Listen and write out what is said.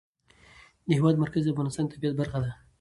د هېواد مرکز د افغانستان د طبیعت برخه ده.